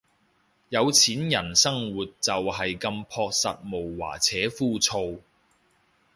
有錢人生活就係咁樸實無華且枯燥